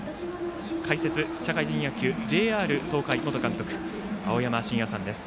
解説、社会人野球、ＪＲ東海元監督、青山眞也さんです。